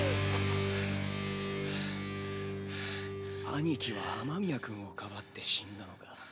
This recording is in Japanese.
兄貴は雨宮君をかばって死んだのか。